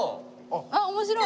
あっ面白い！